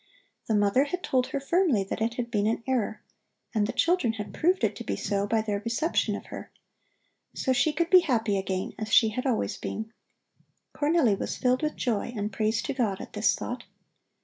The mother had told her firmly that it had been an error, and the children had proved it to be so by their reception of her. So she could be happy again as she had always been. Cornelli was filled with joy and praise to God at this thought.